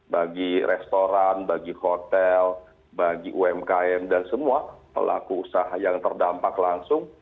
bagi restoran bagi hotel bagi umkm dan semua pelaku usaha yang terdampak langsung